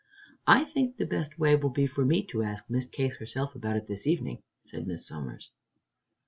"I think the best way will be for me to ask Miss Case herself about it this evening," said Miss Somers.